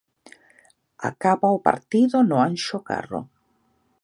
Acaba o partido no Anxo Carro.